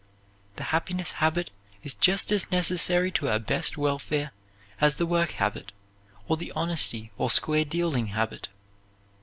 The happiness habit is just as necessary to our best welfare as the work habit, or the honesty or square dealing habit.